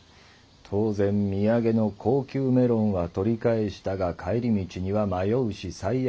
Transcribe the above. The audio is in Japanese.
当然土産の高級メロンは取り返したが帰り道には迷うし最悪。